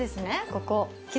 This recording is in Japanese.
ここ。